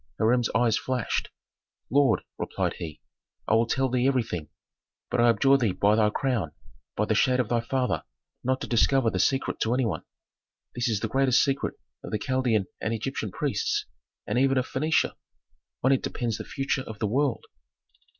Hiram's eyes flashed. "Lord," replied he, "I will tell thee everything, but I abjure thee by thy crown, by the shade of thy father, not to discover the secret to any one. This is the greatest secret of the Chaldean and Egyptian priests, and even of Phœnicia. On it depends the future of the world."